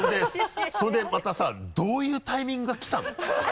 それでまたさどういうタイミングが来たの？